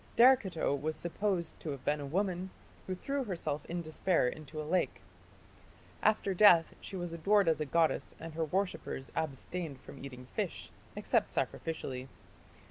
" Derceto was supposed to have been a woman who threw herself in despair into a lake. After death she was adored as a goddess and her worshippers abstained from eating fish, except sacrificially.